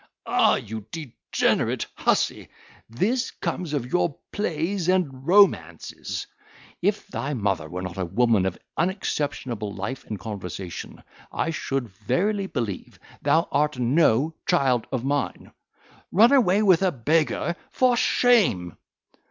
Ah! you degenerate hussy, this comes of your plays and romances. If thy mother were not a woman of an unexceptionable life and conversation, I should verily believe thou art no child of mine. Run away with a beggar! for shame!"